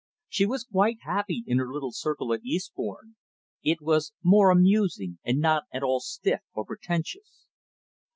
She was quite happy in her little circle at Eastbourne; it was more amusing, and not at all stiff or pretentious.